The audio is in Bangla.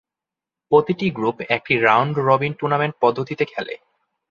প্রতিটি গ্রুপ একটি রাউন্ড-রবিন টুর্নামেন্ট পদ্ধতিতে খেলে।